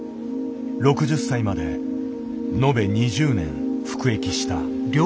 ６０歳まで延べ２０年服役した。